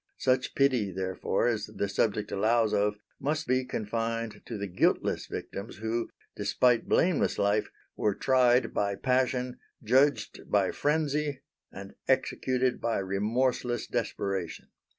Such pity, therefore, as the subject allows of must be confined to the guiltless victims who, despite blameless life, were tried by passion, judged by frenzy, and executed by remorseless desperation.